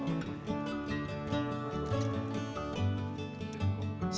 jadi kita bisa menggunakan data yang ada di platform ini